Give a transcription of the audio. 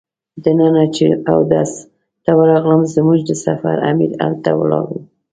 دننه چې اودس ته ورغلم زموږ د سفر امیر هلته ولاړ و.